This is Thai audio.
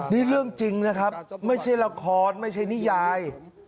นี่เรื่องจริงนะครับไม่ใช่ละครไม่ใช่นิยาย